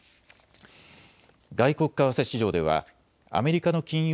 外国為替市場ではアメリカの金融